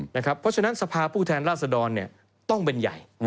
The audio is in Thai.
เพราะฉะนั้นสภาพผู้แทนราษดรต้องเป็นใหญ่